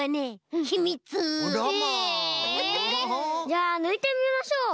じゃあぬいてみましょう！